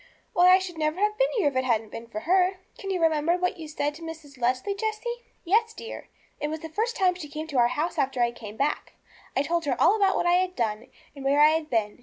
Why, I should never have been here if it hadn't been for her.' 'Can you remember what you said to Mrs. Leslie, Jessie?' 'Yes, dear. It was the first time she came to our house after I came back. I told her all about what I had done, and where I had been.